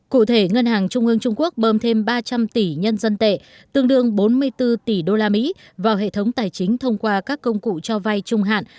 cụ thể ngân hàng trung ương trung quốc bơm thêm ba trăm linh tỷ nhân dân tệ tương đương bốn mươi bốn tỷ usd vào hệ thống tài chính thông qua các công cụ cho vay trung hạn